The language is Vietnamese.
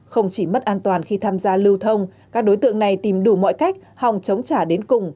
không chỉ mất an toàn khi tham gia lưu thông các đối tượng này tìm đủ mọi cách hòng chống trả đến cùng